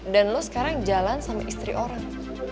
lo sekarang jalan sama istri orang